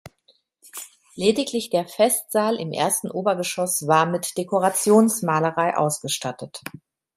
Lediglich der Festsaal im ersten Obergeschoss war mit Dekorationsmalerei ausgestattet.